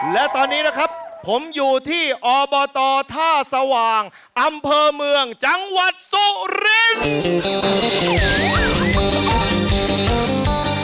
และตอนนี้นะครับผมอยู่ที่อบตท่าสว่างอำเภอเมืองจังหวัดสุรินทร์